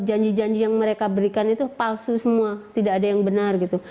janji janji yang mereka berikan itu palsu semua tidak ada yang benar gitu